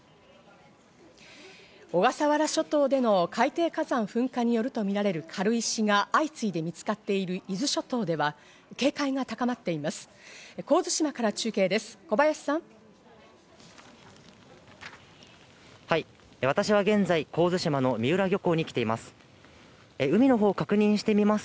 小笠原諸島での海底火山噴火によるとみられる軽石が相次いで見つかっている伊豆諸島では、警戒が高まっています。